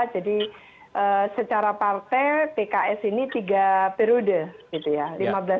secara partai pks ini tiga periode gitu ya